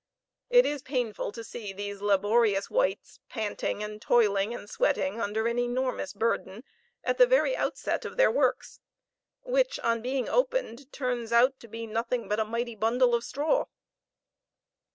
It is painful to see these laborious wights panting, and toiling, and sweating under an enormous burden, at the very outset of their works, which, on being opened, turns out to be nothing but a mighty bundle of straw.